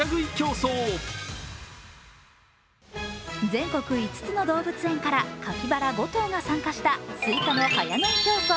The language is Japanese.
全国５つの動物園からカピバラ５頭が参加したスイカの早食い競争